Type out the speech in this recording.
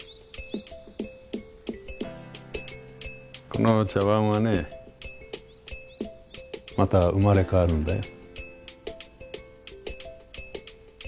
この茶わんはねまた生まれ変わるんだよ。